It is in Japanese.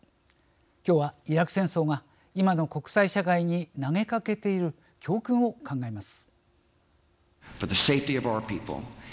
今日はイラク戦争が今の国際社会に投げかけている教訓を考えます。